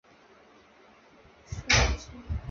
叙尔吉。